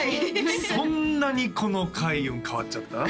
そんなにこの開運変わっちゃった？